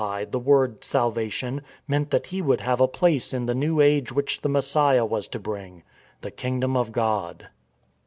192 STORM AND STRESS the word " salvation " meant that he would have a place in the new age which the Messiah was to bring — the Kingdom of God.